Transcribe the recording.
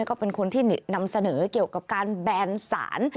ก็เป็นคนที่นำเสนอเกี่ยวกับการแบนสาร